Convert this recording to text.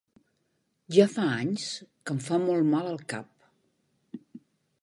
Ja fa anys que em fa molt mal el cap.